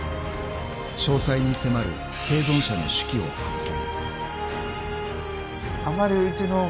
［詳細に迫る生存者の手記を発見］